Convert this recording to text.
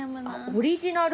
オリジナル？